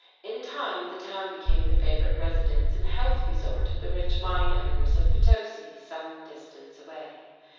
In time the town became the favorite residence and health resort of the rich mine owners of Potosí, some distance away.